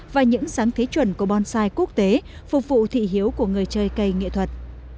và những sáng thế chuẩn của bonsai quốc tế phục vụ thị hiếu của người chơi cây nghệ thuật